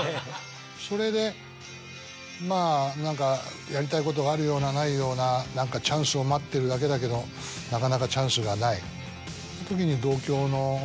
それでまぁ何かやりたいことがあるようなないようなチャンスを待ってるだけだけどなかなかチャンスがない時に。